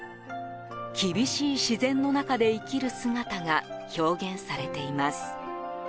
厳しい自然の中で生きる姿が表現されています。